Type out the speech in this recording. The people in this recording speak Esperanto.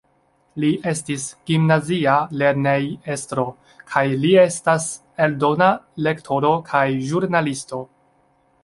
Li estis gimnazia lernejestro, kaj li estas eldona lektoro kaj ĵurnalisto.